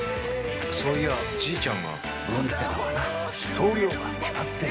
そういやじいちゃんが運ってのはな量が決まってるんだよ。